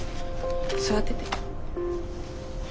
座ってて。